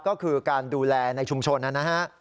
ก็คือการดูแลในชุมชนนะฮะ